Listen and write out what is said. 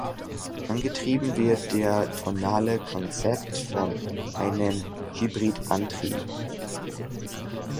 Angetrieben wird der "Tonale Concept" von einem Hybridantrieb.